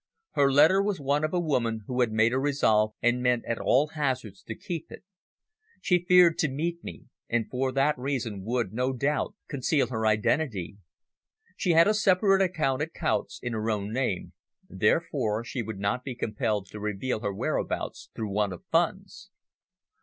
Her letter was one of a woman who had made a resolve and meant at all hazards to keep it. She feared to meet me, and for that reason would, no doubt, conceal her identity. She had a separate account at Coutts' in her own name, therefore she would not be compelled to reveal her whereabouts through want of funds.